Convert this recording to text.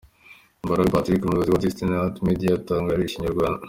Mbaraga Patrick umuyobozi wa Destiny Art Media yatangarije inyarwanda.